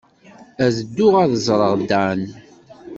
Ad dduɣ ad ẓreɣ Dan.